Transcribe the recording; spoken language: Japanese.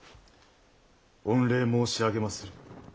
御礼申し上げまする。